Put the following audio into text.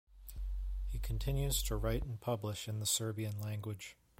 He continues to write and publish in the Serbian language.